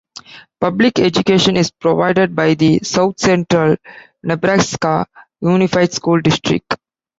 Public education is provided by the South Central Nebraska Unified School District.